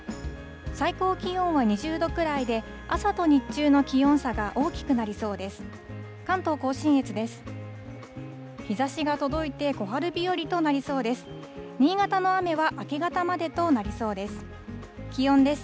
最高気温は２０度くらいで、朝と日中の気温差が大きくなりそうです。